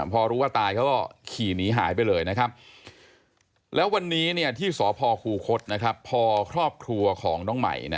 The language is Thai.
พอรู้ว่าตายเขาก็ขี่หนีหายไปเลยนะครับแล้ววันนี้ที่สพคูคศพอครอบครัวของน้องใหม่